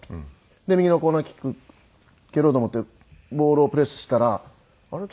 右のコーナーキック蹴ろうと思ってボールをプレースしたらあれ？